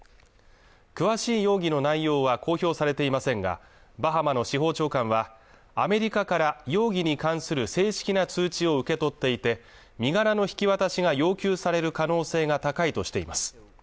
詳しい容疑の内容は公表されていませんがバハマの司法長官はアメリカから容疑に関する正式な通知を受け取っていて身柄の引き渡しが要求される可能性が高いとしています